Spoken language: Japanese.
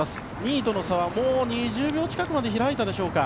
２位との差は２０秒近くまで開いたでしょうか。